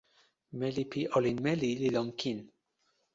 meli pi olin meli li lon kin.